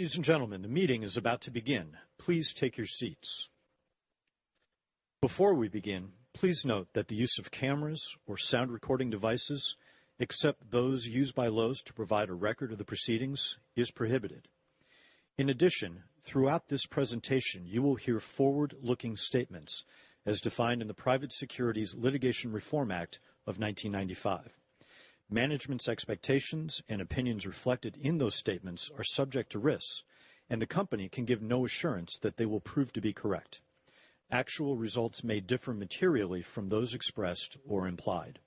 Ladies and gentlemen, the meeting is about to begin. Please take your seats. Before we begin, please note that the use of cameras or sound recording devices, except those used by Lowe's to provide a record of the proceedings, is prohibited. In addition, throughout this presentation, you will hear forward-looking statements as defined in the Private Securities Litigation Reform Act of 1995. Management's expectations and opinions reflected in those statements are subject to risks, and the company can give no assurance that they will prove to be correct. Actual results may differ materially from those expressed or implied.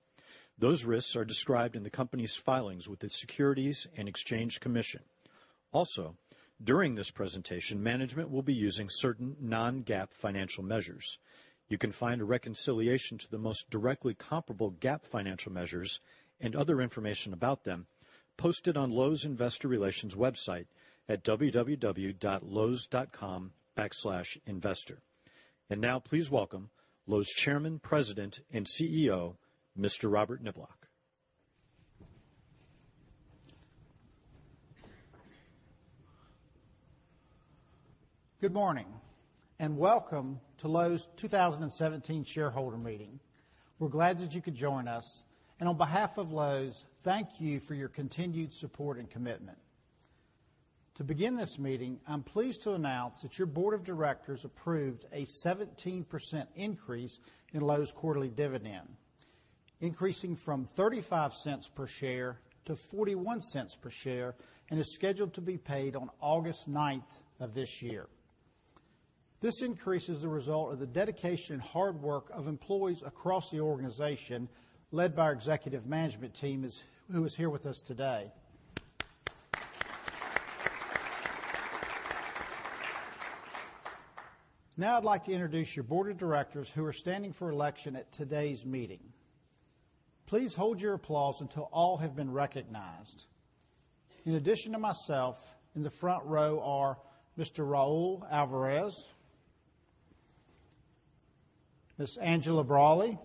Those risks are described in the company's filings with the Securities and Exchange Commission. Also, during this presentation, management will be using certain non-GAAP financial measures. You can find a reconciliation to the most directly comparable GAAP financial measures and other information about them posted on Lowe's Investor Relations website at www.lowes.com/investor. Now please welcome Lowe's Chairman, President, and CEO, Mr. Robert Niblock. Good morning, welcome to Lowe's 2017 shareholder meeting. We're glad that you could join us. On behalf of Lowe's, thank you for your continued support and commitment. To begin this meeting, I'm pleased to announce that your board of directors approved a 17% increase in Lowe's quarterly dividend, increasing from $0.35 per share to $0.41 per share, and is scheduled to be paid on August 9th of this year. This increase is the result of the dedication and hard work of employees across the organization led by our executive management team who is here with us today. Now I'd like to introduce your board of directors who are standing for election at today's meeting. Please hold your applause until all have been recognized. In addition to myself, in the front row are Mr. Raul Alvarez, Ms. Angela Braly,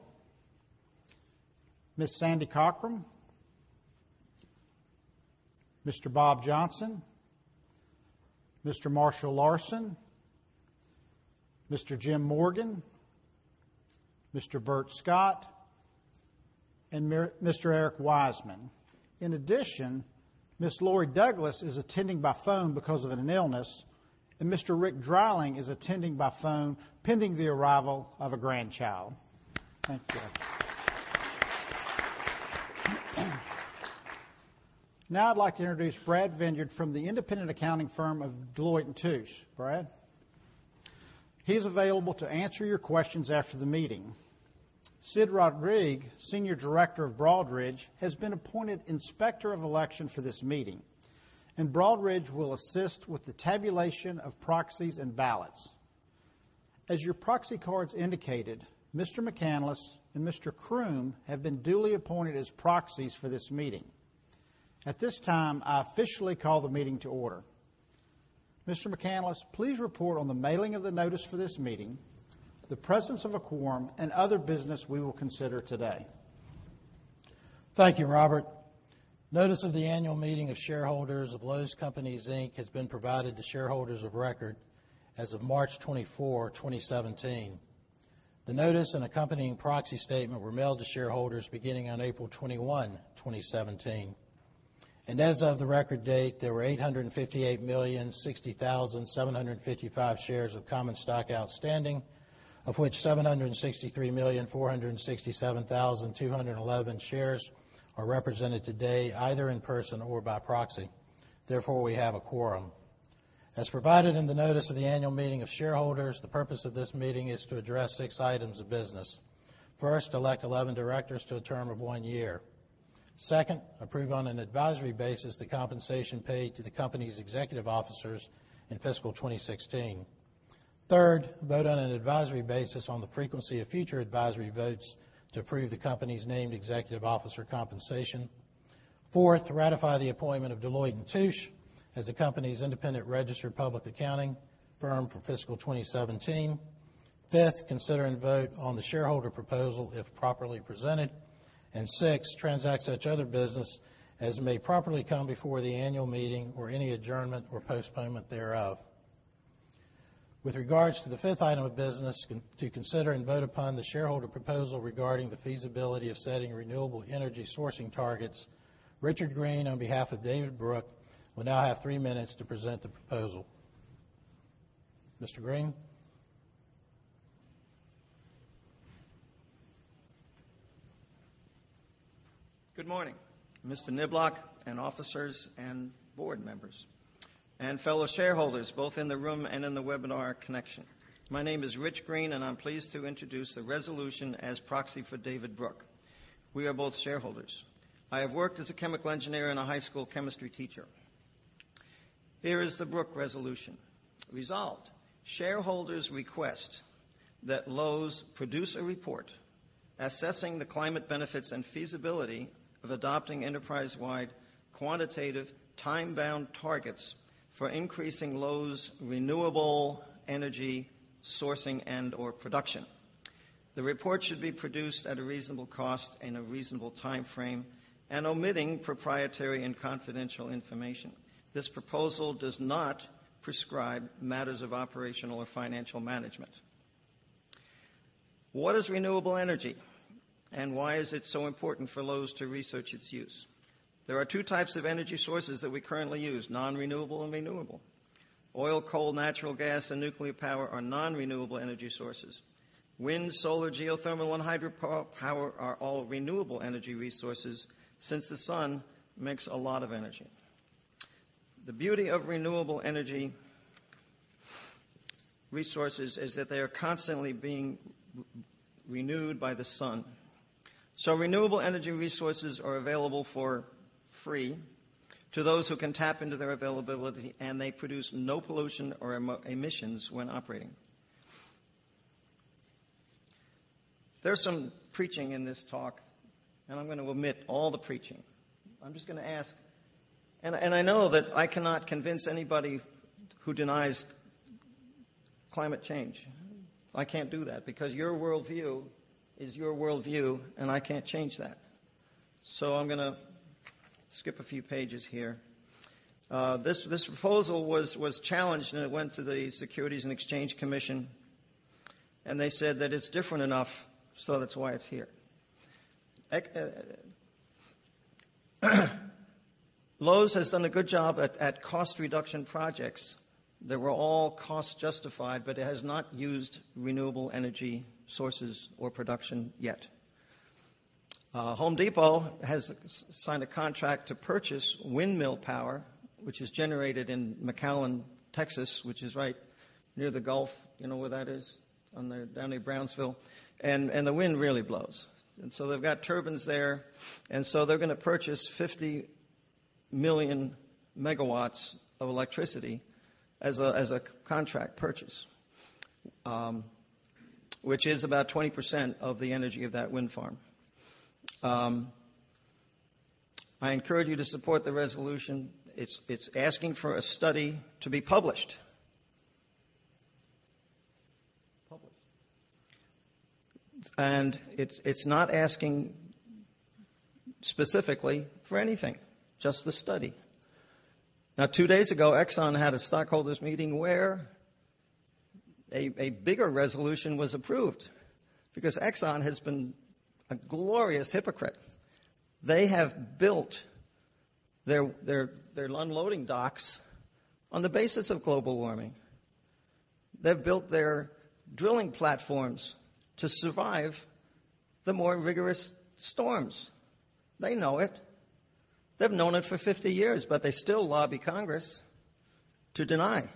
Ms. Sandra Cochran, Mr. Bob Johnson, Mr. Marshall Larsen, Mr. Jim Morgan, Mr. Bert Scott, and Mr. Eric Wiseman. In addition, Ms. Laurie Douglas is attending by phone because of an illness, and Mr. Rick Dreiling is attending by phone pending the arrival of a grandchild. Thank you. Now I'd like to introduce Brad Vineyard from the independent accounting firm of Deloitte & Touche. Brad? He is available to answer your questions after the meeting. Sid Rodrigue, Senior Director of Broadridge, has been appointed Inspector of Election for this meeting, and Broadridge will assist with the tabulation of proxies and ballots. As your proxy cards indicated, Mr. McCanless and Mr. Croom have been duly appointed as proxies for this meeting. At this time, I officially call the meeting to order. Mr. McCanless, please report on the mailing of the notice for this meeting, the presence of a quorum, and other business we will consider today. Thank you, Robert. Notice of the annual meeting of shareholders of Lowe's Companies, Inc. has been provided to shareholders of record as of March 24, 2017. The notice and accompanying proxy statement were mailed to shareholders beginning on April 21, 2017. As of the record date, there were 858,060,755 shares of common stock outstanding, of which 763,467,211 shares are represented today, either in person or by proxy. Therefore, we have a quorum. As provided in the notice of the annual meeting of shareholders, the purpose of this meeting is to address six items of business. First, elect 11 directors to a term of one year. Second, approve on an advisory basis the compensation paid to the company's executive officers in fiscal 2016. Third, vote on an advisory basis on the frequency of future advisory votes to approve the company's named executive officer compensation. Fourth, ratify the appointment of Deloitte & Touche as the company's independent registered public accounting firm for fiscal 2017. Fifth, consider and vote on the shareholder proposal, if properly presented. Six, transact such other business as may properly come before the annual meeting or any adjournment or postponement thereof. With regards to the fifth item of business, to consider and vote upon the shareholder proposal regarding the feasibility of setting renewable energy sourcing targets, Richard Green, on behalf of David Brooke, will now have three minutes to present the proposal. Mr. Green? Good morning, Mr. Niblock, and officers, and board members, and fellow shareholders, both in the room and in the webinar connection. My name is Rich Green, and I'm pleased to introduce the resolution as proxy for David Brooke. We are both shareholders. I have worked as a chemical engineer and a high school chemistry teacher. Here is the Brooke resolution. Resolved, shareholders request that Lowe's produce a report assessing the climate benefits and feasibility of adopting enterprise-wide, quantitative, time-bound targets for increasing Lowe's renewable energy sourcing and/or production. The report should be produced at a reasonable cost in a reasonable timeframe and omitting proprietary and confidential information. This proposal does not prescribe matters of operational or financial management. What is renewable energy, and why is it so important for Lowe's to research its use? There are two types of energy sources that we currently use, non-renewable and renewable. Oil, coal, natural gas, and nuclear power are non-renewable energy sources. Wind, solar, geothermal, and hydropower are all renewable energy resources since the sun makes a lot of energy. The beauty of renewable energy resources is that they are constantly being renewed by the sun. Renewable energy resources are available for free to those who can tap into their availability, and they produce no pollution or emissions when operating. There's some preaching in this talk, and I'm going to omit all the preaching. I'm just going to ask. I know that I cannot convince anybody who denies climate change. I can't do that because your worldview is your worldview, and I can't change that. I'm going to skip a few pages here. This proposal was challenged, and it went to the Securities and Exchange Commission. They said that it's different enough. That's why it's here. Lowe's has done a good job at cost reduction projects that were all cost justified. It has not used renewable energy sources or production yet. The Home Depot has signed a contract to purchase windmill power, which is generated in McAllen, Texas, which is right near the Gulf. You know where that is? Down near Brownsville. The wind really blows. They've got turbines there. They're going to purchase 50 million megawatts of electricity as a contract purchase, which is about 20% of the energy of that wind farm. I encourage you to support the resolution. It's asking for a study to be published. Published. It's not asking specifically for anything, just the study. Now, two days ago, Exxon had a stockholders meeting where a bigger resolution was approved because Exxon has been a glorious hypocrite. They have built their unloading docks on the basis of global warming. They've built their drilling platforms to survive the more rigorous storms. They know it. They've known it for 50 years. They still lobby Congress to deny,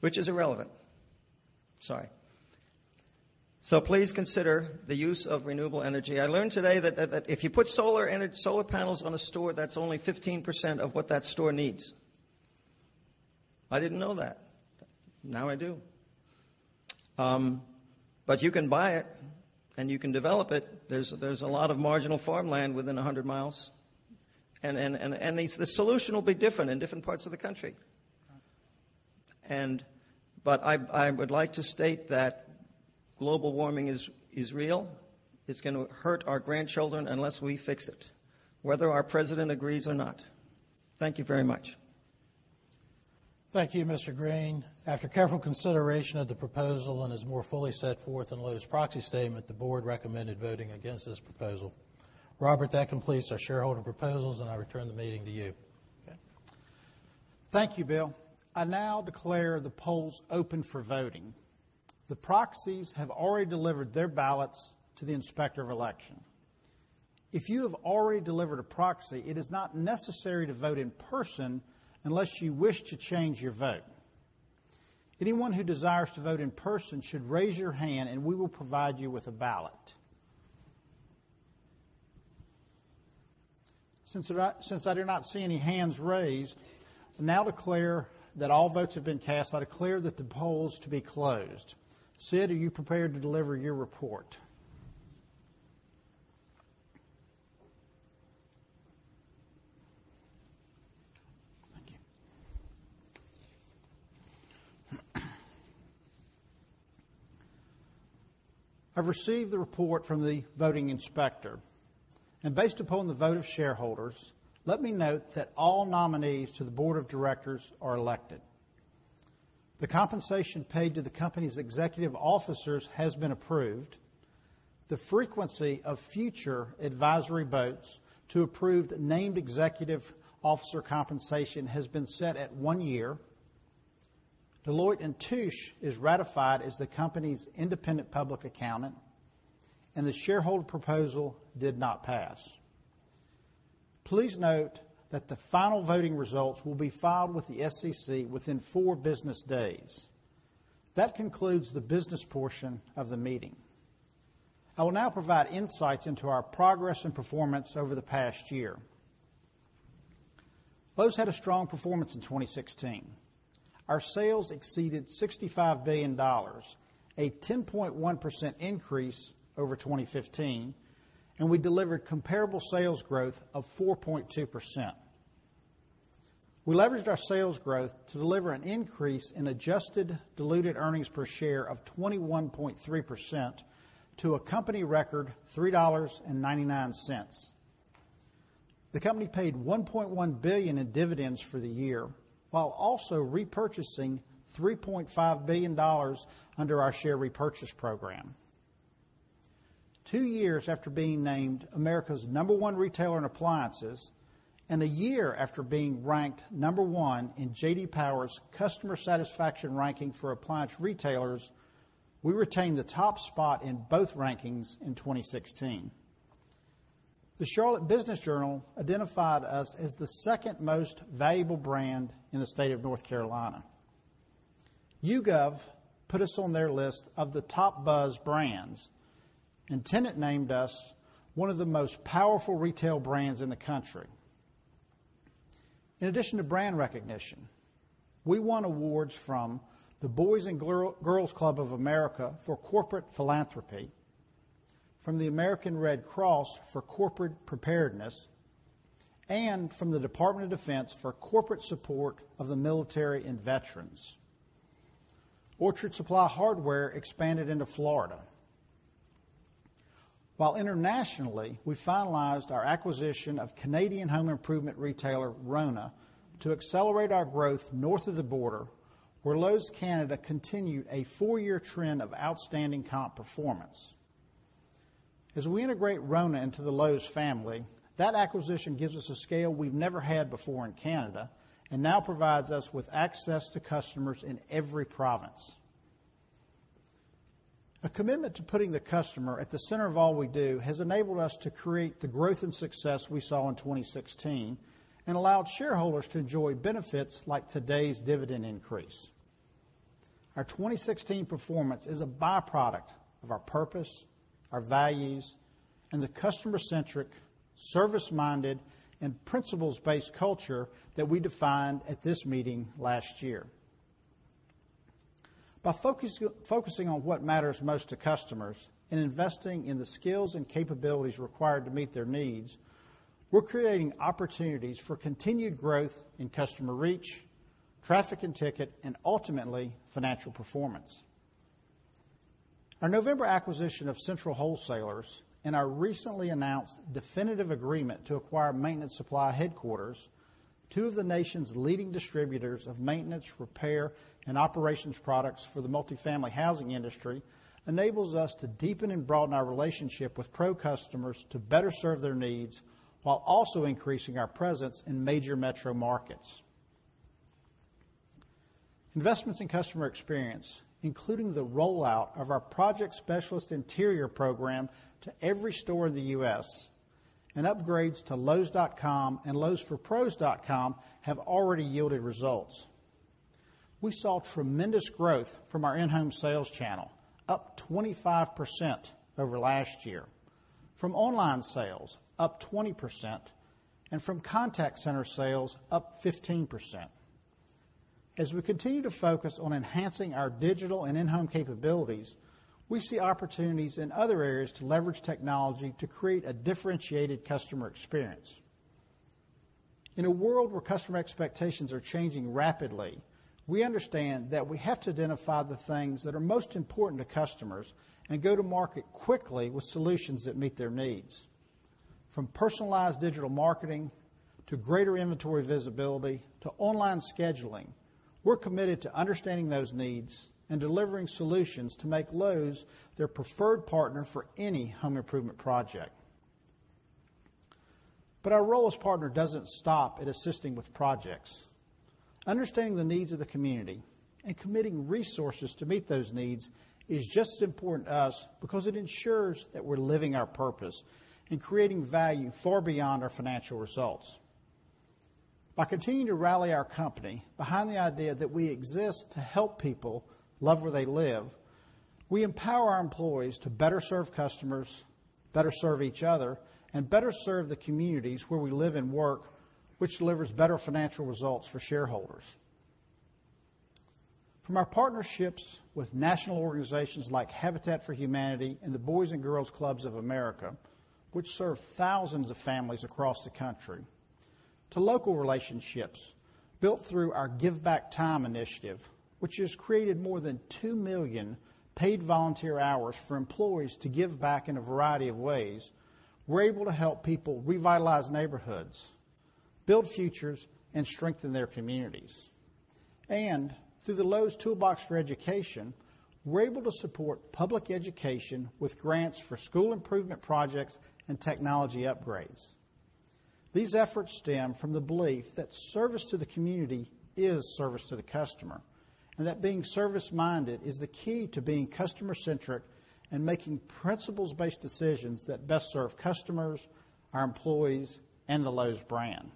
which is irrelevant. Sorry. Please consider the use of renewable energy. I learned today that if you put solar panels on a store, that's only 15% of what that store needs. I didn't know that. Now I do. You can buy it, and you can develop it. There's a lot of marginal farmland within 100 miles. The solution will be different in different parts of the country. I would like to state that global warming is real. It's going to hurt our grandchildren unless we fix it, whether our president agrees or not. Thank you very much. Thank you, Mr. Green. After careful consideration of the proposal and as more fully set forth in Lowe's proxy statement, the board recommended voting against this proposal. Robert, that completes our shareholder proposals, and I return the meeting to you. Okay. Thank you, Ross. I now declare the polls open for voting. The proxies have already delivered their ballots to the Inspector of Election. If you have already delivered a proxy, it is not necessary to vote in person unless you wish to change your vote. Anyone who desires to vote in person should raise your hand, and we will provide you with a ballot. Since I do not see any hands raised, I now declare that all votes have been cast. I declare the polls to be closed. Sid, are you prepared to deliver your report? Thank you. I've received the report from the voting inspector, and based upon the vote of shareholders, let me note that all nominees to the board of directors are elected. The compensation paid to the company's executive officers has been approved. The frequency of future advisory votes to approve named executive officer compensation has been set at one year. Deloitte & Touche is ratified as the company's independent public accountant, and the shareholder proposal did not pass. Please note that the final voting results will be filed with the SEC within four business days. That concludes the business portion of the meeting. I will now provide insights into our progress and performance over the past year. Lowe's had a strong performance in 2016. Our sales exceeded $65 billion, a 10.1% increase over 2015, and we delivered comparable sales growth of 4.2%. We leveraged our sales growth to deliver an increase in adjusted diluted earnings per share of 21.3% to a company record $3.99. The company paid $1.1 billion in dividends for the year, while also repurchasing $3.5 billion under our share repurchase program. Two years after being named America's number one retailer in appliances, and a year after being ranked number one in J.D. Power's customer satisfaction ranking for appliance retailers, we retained the top spot in both rankings in 2016. The Charlotte Business Journal identified us as the second most valuable brand in the state of North Carolina. YouGov put us on their list of the top buzz brands, and Tenet named us one of the most powerful retail brands in the country. In addition to brand recognition, we won awards from the Boys & Girls Clubs of America for corporate philanthropy, from the American Red Cross for corporate preparedness, and from the Department of Defense for corporate support of the military and veterans. Orchard Supply Hardware expanded into Florida. While internationally, we finalized our acquisition of Canadian home improvement retailer, Rona, to accelerate our growth north of the border, where Lowe's Canada continued a four-year trend of outstanding comp performance. As we integrate Rona into the Lowe's family, that acquisition gives us a scale we've never had before in Canada and now provides us with access to customers in every province. A commitment to putting the customer at the center of all we do has enabled us to create the growth and success we saw in 2016 and allowed shareholders to enjoy benefits like today's dividend increase. Our 2016 performance is a byproduct of our purpose, our values, and the customer-centric, service-minded, and principles-based culture that we defined at this meeting last year. By focusing on what matters most to customers and investing in the skills and capabilities required to meet their needs, we're creating opportunities for continued growth in customer reach, traffic and ticket, and ultimately, financial performance. Our November acquisition of Central Wholesalers and our recently announced definitive agreement to acquire Maintenance Supply Headquarters, two of the nation's leading distributors of maintenance, repair, and operations products for the multifamily housing industry, enables us to deepen and broaden our relationship with pro customers to better serve their needs while also increasing our presence in major metro markets. Investments in customer experience, including the rollout of our Project Specialist Interior program to every store in the U.S. and upgrades to lowes.com and lowesforpros.com, have already yielded results. We saw tremendous growth from our in-home sales channel, up 25% over last year. From online sales, up 20%, and from contact center sales, up 15%. We continue to focus on enhancing our digital and in-home capabilities, we see opportunities in other areas to leverage technology to create a differentiated customer experience. In a world where customer expectations are changing rapidly, we understand that we have to identify the things that are most important to customers and go to market quickly with solutions that meet their needs. From personalized digital marketing to greater inventory visibility to online scheduling, we're committed to understanding those needs and delivering solutions to make Lowe's their preferred partner for any home improvement project. Our role as partner doesn't stop at assisting with projects. Understanding the needs of the community and committing resources to meet those needs is just as important to us because it ensures that we're living our purpose and creating value far beyond our financial results. By continuing to rally our company behind the idea that we exist to help people love where they live, we empower our employees to better serve customers, better serve each other, and better serve the communities where we live and work, which delivers better financial results for shareholders. From our partnerships with national organizations like Habitat for Humanity and the Boys & Girls Clubs of America, which serve thousands of families across the country, to local relationships built through our Give Back Time initiative, which has created more than 2 million paid volunteer hours for employees to give back in a variety of ways, we're able to help people revitalize neighborhoods, build futures, and strengthen their communities. Through the Lowe's Toolbox for Education, we're able to support public education with grants for school improvement projects and technology upgrades. These efforts stem from the belief that service to the community is service to the customer, and that being service-minded is the key to being customer-centric and making principles-based decisions that best serve customers, our employees, and the Lowe's brand.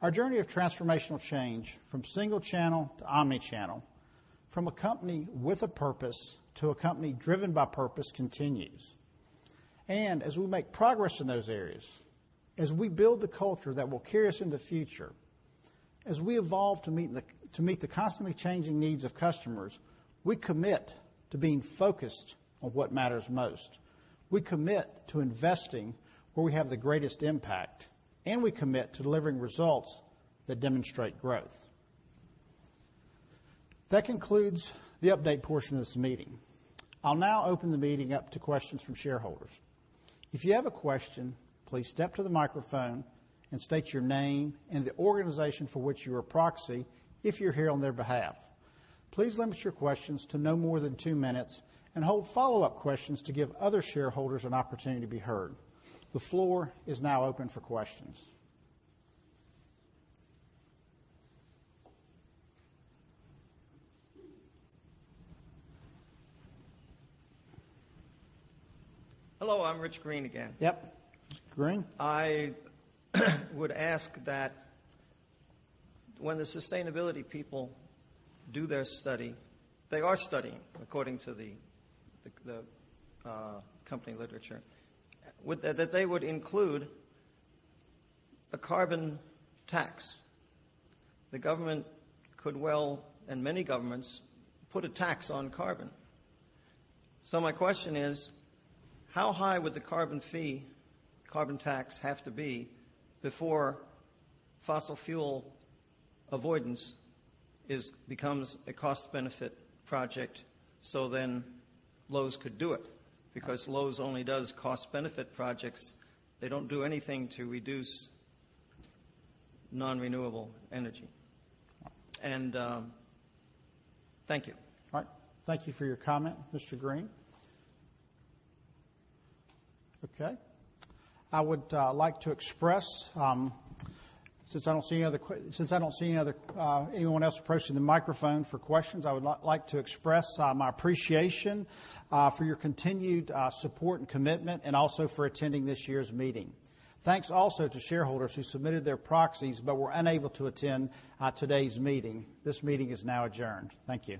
Our journey of transformational change from single channel to omni-channel, from a company with a purpose to a company driven by purpose continues. As we make progress in those areas, as we build the culture that will carry us into the future. As we evolve to meet the constantly changing needs of customers, we commit to being focused on what matters most. We commit to investing where we have the greatest impact, and we commit to delivering results that demonstrate growth. That concludes the update portion of this meeting. I'll now open the meeting up to questions from shareholders. If you have a question, please step to the microphone and state your name and the organization for which you are a proxy, if you're here on their behalf. Please limit your questions to no more than two minutes and hold follow-up questions to give other shareholders an opportunity to be heard. The floor is now open for questions. Hello, I'm Rich Green again. Yep. Mr. Green. I would ask that when the sustainability people do their study, they are studying, according to the company literature. That they would include a carbon tax. The government could well, and many governments, put a tax on carbon. My question is: how high would the carbon fee, carbon tax have to be before fossil fuel avoidance becomes a cost-benefit project, so then Lowe's could do it? Because Lowe's only does cost-benefit projects. They don't do anything to reduce non-renewable energy. Thank you. All right. Thank you for your comment, Mr. Green. Okay. Since I don't see anyone else approaching the microphone for questions, I would like to express my appreciation for your continued support and commitment, and also for attending this year's meeting. Thanks also to shareholders who submitted their proxies but were unable to attend today's meeting. This meeting is now adjourned. Thank you.